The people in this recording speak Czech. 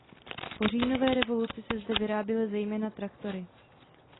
Po říjnové revoluci se zde vyráběly zejména traktory.